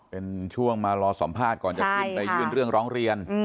เป็นช่วงมารอสัมภาษณ์ก่อนจะขึ้นไปยื่นเรื่องร้องเรียน